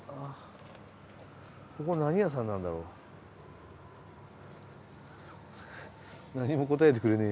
ここ何屋さんなんだろう？何も答えてくれねえ。